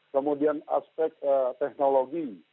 kemudian aspek teknologi